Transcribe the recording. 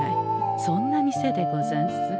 そんな店でござんす。